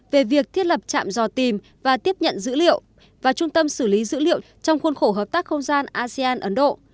về việc thiết lập trạm dò tìm và tiếp nhận dữ liệu và trung tâm xử lý dữ liệu trong khuôn khổ hợp tác không gian asean ấn độ